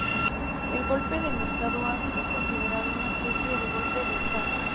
El golpe de mercado ha sido considerado una especie de golpe de Estado.